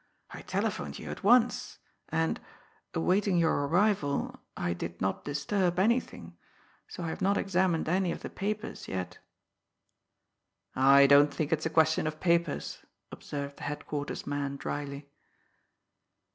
I telephoned you at once, and, awaiting your arrival, I did not disturb anything, so I have not examined any of the papers yet." "I don't think it's a question of papers," observed the Headquarters man dryly.